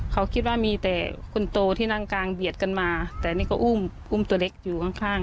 เขาคิดว่ามีแต่คนโตที่นั่งกลางเบียดกันมาแต่นี่ก็อุ้มอุ้มตัวเล็กอยู่ข้าง